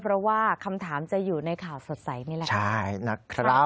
เพราะว่าคำถามจะอยู่ในข่าวสดใสนี่แหละใช่นะครับ